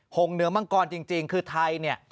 งเหนือมังกรจริงคือไทยเนี่ย